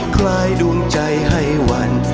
คล้ายดวงใจให้วัน